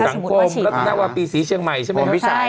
สังคมรัฐนาวร์ปีสีชีวิตชีวิตเชียงใหม่และรัฐนาวร์ปีพิสัย